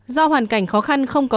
do hoàn cảnh khó khăn không có nợ